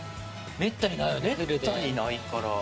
めったにないから。